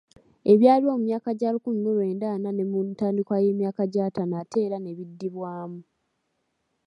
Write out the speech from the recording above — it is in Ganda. Ebyaliwo mu myaka gya lukumi mu lwenda ana ne mu ntandikwa y’emyaka gy’ataano ate era n’ebiddibwamu.